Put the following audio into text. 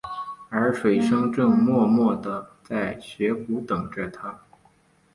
而水笙正默默地在雪谷等着他。